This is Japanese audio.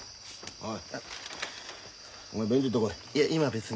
おい。